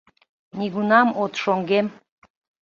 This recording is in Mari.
Нигунам от шоҥгем